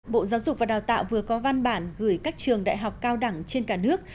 bộ giáo dục và đào tạo vừa có văn bản gửi các trường đại học cao đẳng trên cả nước